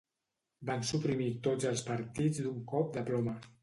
Van suprimir tots els partits d'un cop de ploma.